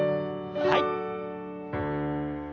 はい。